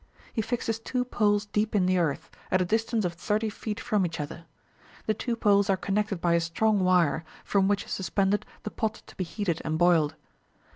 He fixes two poles deep in the earth, at a distance of thirty feet from each other. The two poles are connected by a strong wire, from which is suspended the pot to be heated and boiled.